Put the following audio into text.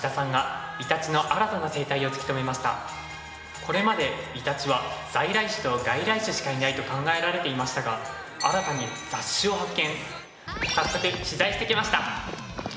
これまでイタチは在来種と外来種しかいないと考えられていましたが新たに雑種を発見。